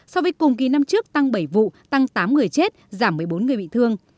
so với cùng kỳ năm trước tăng bảy vụ tăng tám người chết giảm một mươi bốn người bị thương